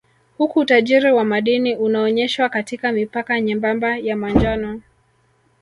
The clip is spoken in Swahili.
Huku utajiri wa madini unaonyeshwa katika mipaka nyembamba ya manjano